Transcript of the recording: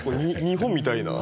日本みたいな。